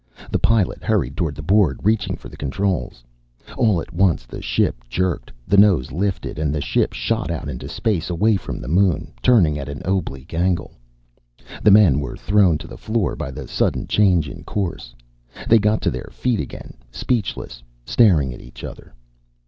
The Pilot hurried toward the board, reaching for the controls. All at once the ship jerked. The nose lifted and the ship shot out into space, away from the moon, turning at an oblique angle. The men were thrown to the floor by the sudden change in course. They got to their feet again, speechless, staring at each other.